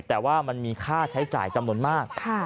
แต่ว่ามันมีค่าใช้จ่ายจำนวนมาก